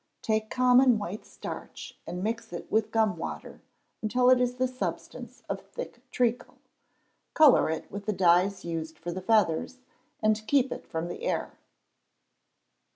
Take common white starch and mix it with gum water until it is the substance of thick treacle; colour it with the dyes used for the feathers, and keep it from the air.